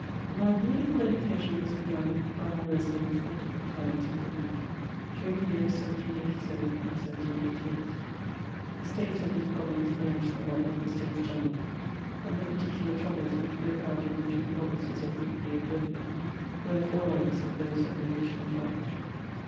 My political education was begun by my residence, at different times, m Brittany during the years 1787 and 1788. The States of this province furnished the model of the States General ; and the particular troubles which broke out in the two provinces of Brittany and Dauphiny were the forerunners oi^ those of the na tion at large.